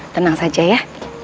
tenang saja ya